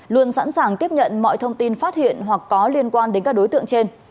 luôn sẵn sàng tiếp nhận mọi thông tin phát hiện hoặc có liên quan đến các đối tượng trên